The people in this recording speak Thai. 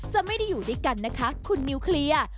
จะไม่ได้อยู่ด้วยกันนะคะคุณนิวเคลียร์